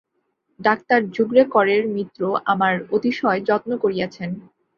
Doctor যুগড়েকরের মিত্র আমার অতিশয় যত্ন করিয়াছেন।